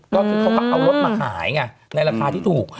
ก็คือเขาก็เอารถมาขายไงในราคาที่ถูก